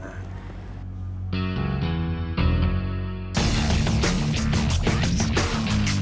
kita harus menang